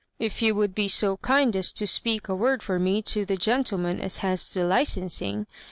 If you would be so kind as to speak a word for me to the gentleman as has the hcensing.